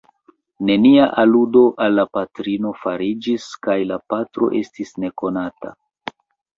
Nenia aludo al la patrino fariĝis kaj la patro estis nekonata.